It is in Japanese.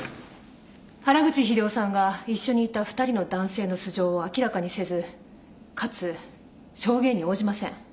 原口秀夫さんが一緒にいた２人の男性の素性を明らかにせずかつ証言に応じません。